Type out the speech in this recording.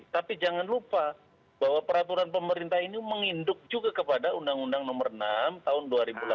tapi jangan lupa bahwa peraturan pemerintah ini menginduk juga kepada undang undang nomor enam tahun dua ribu delapan belas